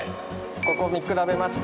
ここを見比べまして。